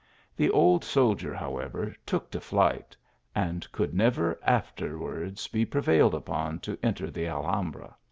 The old soldier, however, took to flight ; and could never aft erwards be prevailed upon to enter the Alhambra.